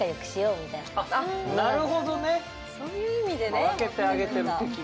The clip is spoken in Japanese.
まあ分けてあげてる的な。